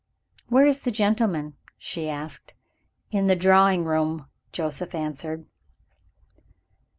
"Where is the gentleman?" she asked. "In the drawing room," Joseph answered.